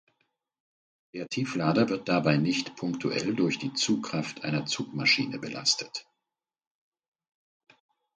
Der Tieflader wird dabei nicht punktuell durch die Zugkraft einer Zugmaschine belastet.